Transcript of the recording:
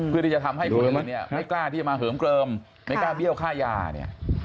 เพื่อที่จะทำให้คนอื่นเนี่ยไม่กล้าที่จะมาเหิมเกลิมไม่กล้าเบี้ยวค่ายาเนี่ย